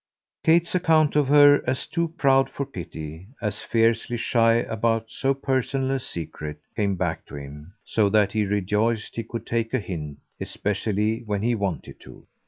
Kate's account of her as too proud for pity, as fiercely shy about so personal a secret, came back to him; so that he rejoiced he could take a hint, especially when he wanted to.